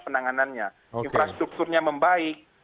penanganannya infrastrukturnya membaik